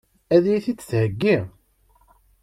Ad iyi-t-id-theggi?